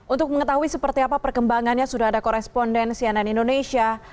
untuk mengetahui seperti apa perkembangannya sudah ada koresponden cnn indonesia